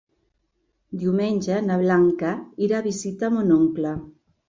Diumenge na Blanca irà a visitar mon oncle.